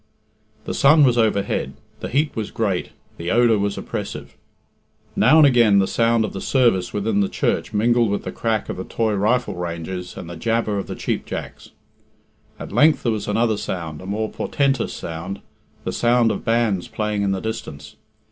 The sun was overhead, the heat was great, the odour was oppressive. Now and again the sound of the service within the church mingled with the crack of the toy rifle ranges and the jabber of the cheap jacks. At length there was another sound a more portentous sound the sound of bands playing in the distance.